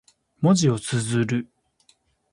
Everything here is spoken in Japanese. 文字を綴る。